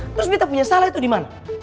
terus betta punya salah itu dimana